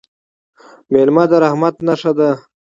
مېلمه د رحمت نښه ده.